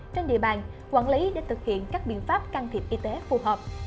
trên địa bàn quản lý để thực hiện các biện pháp can thiệp y tế phù hợp